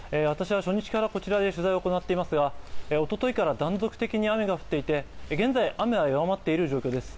私は初日からこちらで取材を行っていますが、一昨日から断続的に雨が降っていて現在、雨は弱まっている状況です。